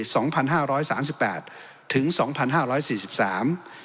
สองพันห้าร้อยสามสิบแปดถึงสองพันห้าร้อยสี่สิบสาม